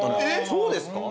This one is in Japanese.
そうですか？